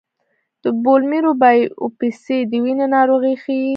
د بون میرو بایوپسي د وینې ناروغۍ ښيي.